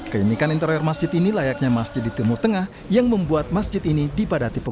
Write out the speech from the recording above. keunikan interior masjid ini layaknya masjid di timur tengah yang membuat masjid ini dipadati